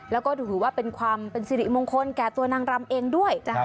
แล้วก็ถือว่าเป็นความเป็นสิริมงคลแก่ตัวนางรำเองด้วย